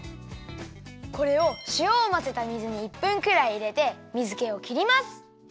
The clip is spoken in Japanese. これをしおをまぜた水に１分くらいいれて水けをきります。